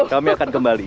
kami akan kembali